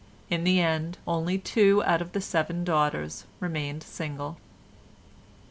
In the end only two out of the seven daughters remained single.